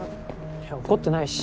いや怒ってないし。